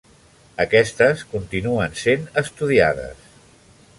Aquestes continuen sent estudiades.